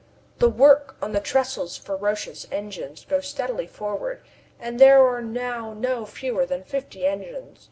The work on the trestles for Roch's engine goes steadily forward, and there are now no fewer than fifty engines.